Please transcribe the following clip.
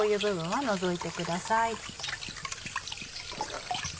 はい。